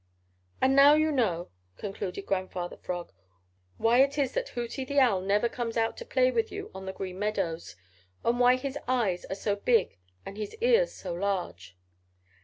"And now you know," concluded Grandfather Frog, "why it is that Hooty the Owl never comes out to play with you on the Green Meadows, and why his eyes are so big and his ears so large."